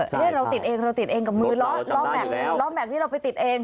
เราติดเองกับมือรอบแม็จที่เราไปติดเอง